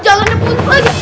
jalannya putus lagi